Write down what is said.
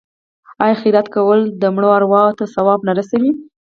آیا خیرات کول د مړو ارواو ته ثواب نه رسوي؟